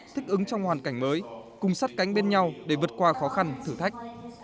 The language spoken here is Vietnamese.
thích ứng trong hoàn cảnh mới cùng sát cánh bên nhau để vượt qua khó khăn thử thách